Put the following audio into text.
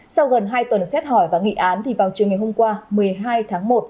sau gần hai tuần xét hỏi và nghị án thì vào chiều ngày hôm qua một mươi hai tháng một